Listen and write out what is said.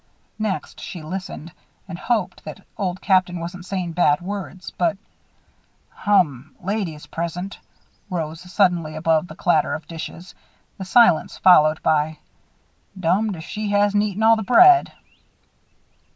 Next, she listened and hoped that Old Captain wasn't saying bad words, but "Hum! Ladies present," rose suddenly above the clatter of dishes. The silence, followed by: "Dumbed if she hasn't eaten all the bread!"